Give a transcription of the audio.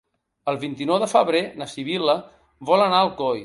El vint-i-nou de febrer na Sibil·la vol anar a Alcoi.